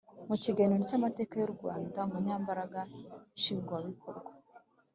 Mu kiganiro cy amateka y u rwanda umunyamabanga nshingwabikorwa